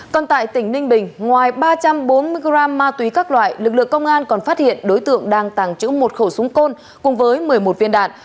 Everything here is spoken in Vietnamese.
còn tại tỉnh ninh bình ngoài ba trăm bốn mươi g ma túy các loại lực lượng công an còn phát hiện đối tượng đang tàng trữ một khẩu súng côn cùng với một mươi một viên đạn